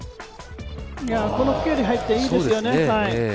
この距離入って、いいですよね。